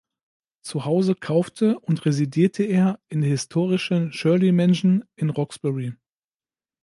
Zu Hause kaufte und residierte er in der historischen Shirley Mansion in Roxbury.